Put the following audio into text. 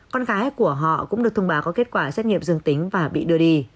con gái của họ cũng được thông báo có kết quả xét nghiệm dương tính và bị đưa đi